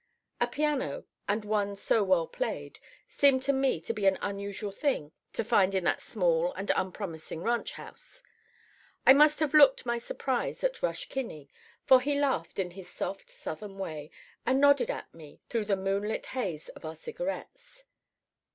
A piano, and one so well played, seemed to me to be an unusual thing to find in that small and unpromising ranch house. I must have looked my surprise at Rush Kinney, for he laughed in his soft, Southern way, and nodded at me through the moonlit haze of our cigarettes.